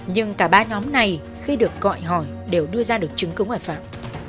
nhưng cả ba nhóm này khi được gọi hỏi đều đưa ra được chứng cứ ngoại phạm